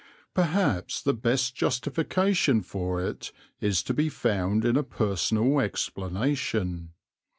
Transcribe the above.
Perhaps the best justification for it is to be found in a personal explanation.